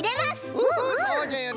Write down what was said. そうじゃよね！